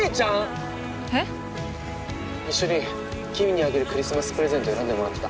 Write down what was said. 一緒にキミにあげるクリスマスプレゼント選んでもらってた。